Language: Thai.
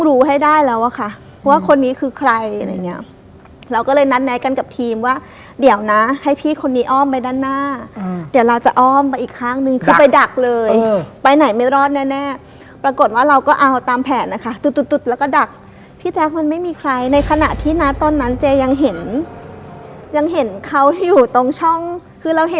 รู้ให้ได้แล้วอะค่ะว่าคนนี้คือใครอะไรอย่างเงี้ยเราก็เลยนัดแนะกันกับทีมว่าเดี๋ยวนะให้พี่คนนี้อ้อมไปด้านหน้าเดี๋ยวเราจะอ้อมไปอีกข้างนึงคือไปดักเลยไปไหนไม่รอดแน่แน่ปรากฏว่าเราก็เอาตามแผนนะคะตุ๊ดแล้วก็ดักพี่แจ๊คมันไม่มีใครในขณะที่นะตอนนั้นเจ๊ยังเห็นยังเห็นเขาอยู่ตรงช่องคือเราเห็น